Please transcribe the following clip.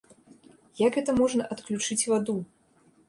Як гэта можна адключыць ваду?